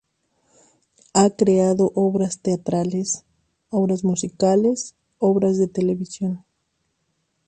Ha creado obras teatrales, obras musicales, obras de televisión.